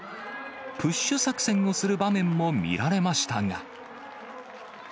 プッシュ作戦をする場面も見られましたが。